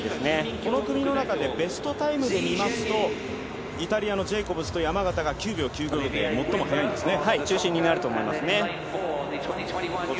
この組の中でベストタイムで見ますとイタリアのジェイコブスと山縣が９秒９５中心になると思います。